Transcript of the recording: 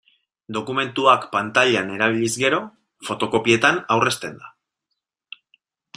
Dokumentuak pantailan erabiliz gero, fotokopietan aurrezten da.